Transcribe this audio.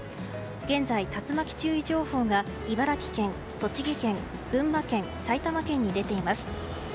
現在、竜巻注意情報が茨城県、栃木県群馬県、埼玉県に出ています。